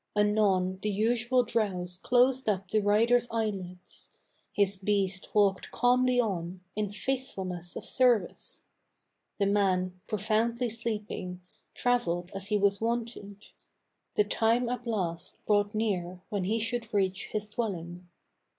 Anon the usual drowse closed up the rider's eyelids: His beast walked calmly on, in faithfulness of service; The man, profoundly sleeping, traveled as he was wonted; The time at last brought near when he should reach his dwelling.